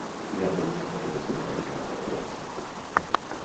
Quina producció televisiva esmenta el text?